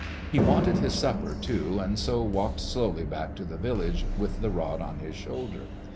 He wanted his supper, too, and so walked slowly back to the village with the rod on his shoulder.